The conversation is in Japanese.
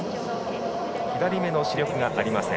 左目の視力がありません。